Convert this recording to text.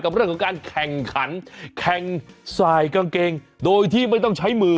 เรื่องของการแข่งขันแข่งสายกางเกงโดยที่ไม่ต้องใช้มือ